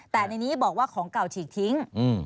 แต่ในนี้บอกว่าของเก่าฉีกทิ้ง